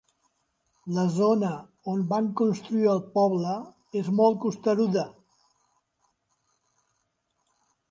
La zona on van construir el poble és molt costeruda.